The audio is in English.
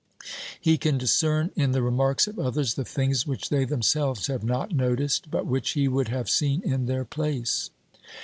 He can discern in the re marks of others the things which they themselves have not noticed, but which he would have seen in their place.